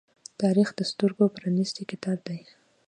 تاریخ د سترگو پرانیستی کتاب دی.